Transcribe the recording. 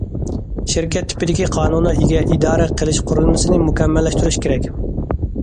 شىركەت تىپىدىكى قانۇنىي ئىگە ئىدارە قىلىش قۇرۇلمىسىنى مۇكەممەللەشتۈرۈش كېرەك.